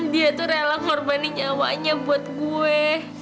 dia tuh rela ngorbanin nyawanya buat gue